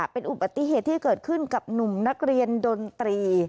เป็นอุบัติเหตุที่เกิดขึ้นกับหนุ่มนักเรียนดนตรี